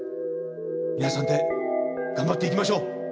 皆さんで頑張って行きましょう！